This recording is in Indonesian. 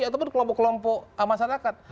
ataupun kelompok kelompok masyarakat